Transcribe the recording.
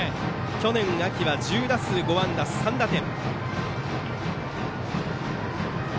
去年秋は１０打数５安打３打点。